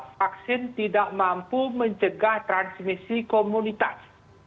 vaksin tidak mampu mencegah transmisi komunitas